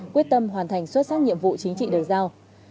quyết tâm hoàn thành xuất sắc nhiệm vụ chính trị được giao